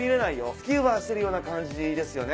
スキューバしてるような感じですよね。